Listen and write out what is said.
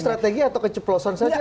strategi atau keceplosan saja